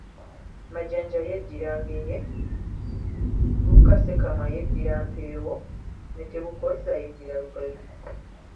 Majanja yeddira Ngeye, Luka Ssekamwa, yeddira Mpeewo ne Tebukozza yeddira Lugave.